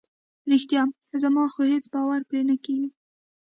رښتیا؟ زما خو هیڅ باور پرې نه کیږي.